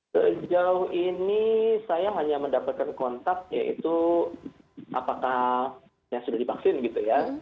sejauh ini saya hanya mendapatkan kontak yaitu apakah yang sudah divaksin gitu ya